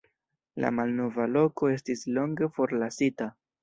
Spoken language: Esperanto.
La malnova loko estis longe forlasita.